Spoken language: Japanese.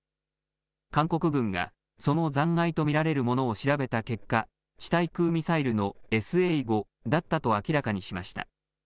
韓国軍がその残骸と見られるものを調べた結果、地対空ミサイルのＳＡ５だったと明らかにしました。